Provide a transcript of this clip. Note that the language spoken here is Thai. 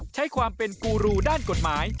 ใช้ความเป็นกูรูด้านกฎหมาย